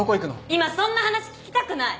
今そんな話聞きたくない！